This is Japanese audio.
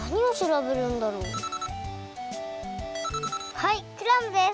はいクラムです！